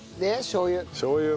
しょう油。